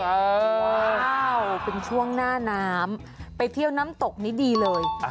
อ้าวเป็นช่วงหน้าน้ำไปเที่ยวน้ำตกนี้ดีเลย